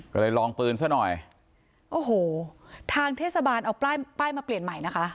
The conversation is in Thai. ก็เลยลองปืนซะหน่อยโอ้โหทางเทศบาลเอาป้ายป้ายมาเปลี่ยนใหม่นะคะ